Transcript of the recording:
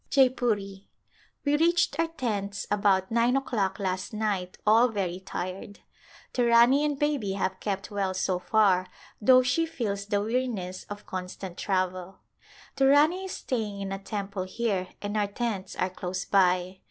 Jeypuri, We reached our tents about nine o'clock last night all very tired. The Rani and baby have kept well so far though she feels the weariness of constant travel. The Rani is staying in a temple here and our tents are close by.